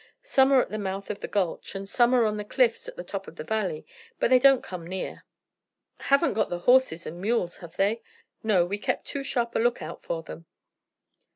Some are at the mouth of the gulch, and some are on the cliffs at the top of the valley, but they don't come near." "Haven't got the horses and mules, have they?" "No. We've kept too sharp a lookout for them."